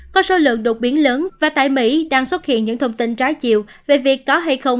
có số lượng đột biến lớn và tại mỹ đang xuất hiện những thông tin trái chiều về việc có hay không